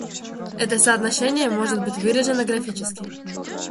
Это соотношение может быть выражено графически.